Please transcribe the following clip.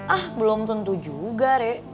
ah belum tentu juga rek